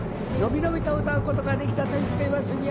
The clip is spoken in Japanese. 伸び伸びと歌うことができたと言っています